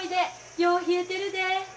よう冷えてるで。